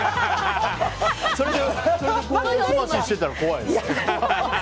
それでおすまししてたら怖いね。